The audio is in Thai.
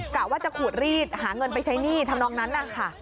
กะว่าจะขูดรีดหาเงินไปใช้หนี้ทำนองนั้นนะคะ